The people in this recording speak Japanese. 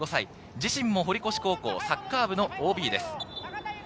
自身も堀越高校サッカー部のＯＢです。